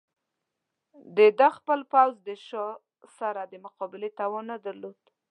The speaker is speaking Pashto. د ده خپل پوځ د شاه سره د مقابلې توان نه درلود.